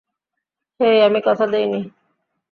হেই, আমি কথা দেইনি!